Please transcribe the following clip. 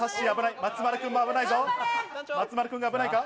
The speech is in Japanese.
松丸君が危ないか？